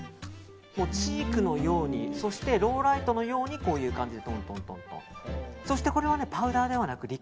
チークのようにそしてローライトのようにこういう感じでとんとんと。